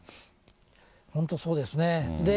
本当、そうですね。